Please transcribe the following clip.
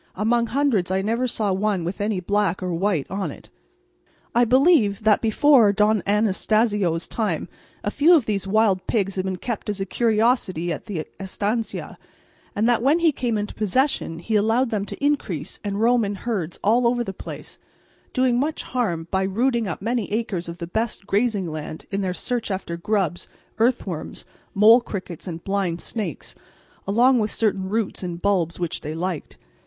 Among hundreds I never saw one with any black or white on it. I believe that before Don Anastacio's time a few of these wild pigs had been kept as a curiosity at the estancia, and that when he came into possession he allowed them to increase and roam in herds all over the place, doing much harm by rooting up many acres of the best grazing land in their search after grubs, earthworms, mole crickets, and blind snakes, along with certain roots and bulbs which they liked.